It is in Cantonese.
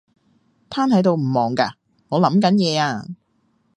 癱喺度唔忙㗎？我諗緊嘢呀